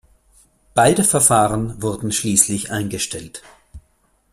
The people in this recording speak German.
Beide Verfahren wurden schließlich eingestellt.